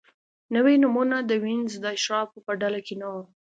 نوي نومونه د وینز د اشرافو په ډله کې نه وو.